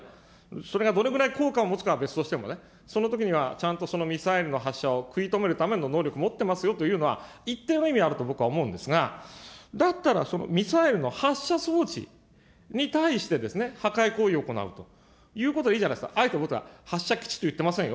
それがどれぐらい効果を持つかは別としてもね、そのときにはちゃんとミサイルの発射を食い止めるための能力持ってますよというのは、一定の意味はあると、僕は思うんですが、だったら、そのミサイルの発射装置に対して、破壊行為を行うということはいいじゃないですか、あえて僕は発射基地と言っていませんよ。